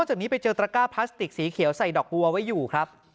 จากนี้ไปเจอตระก้าพลาสติกสีเขียวใส่ดอกบัวไว้อยู่ครับ